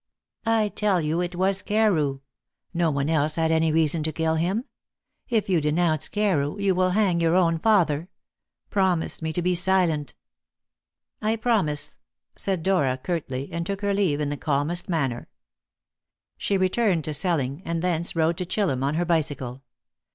"I tell you it was Carew. No one else had any reason to kill him. If you denounce Carew, you will hang your own father. Promise me to be silent." "I promise," said Dora curtly, and took her leave in the calmest manner. She returned to Selling, and thence rode to Chillum on her bicycle.